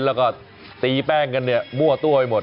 แล้วก็ตีแป้งกันเนี่ยมั่วตัวไปหมด